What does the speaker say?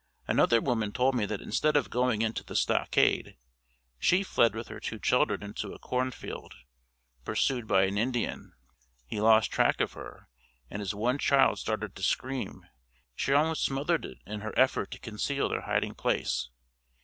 Another woman told me that instead of going into the stockade she fled with her two children into a corn field, pursued by an Indian. He lost track of her and as one child started to scream she almost smothered it in her effort to conceal their hiding place.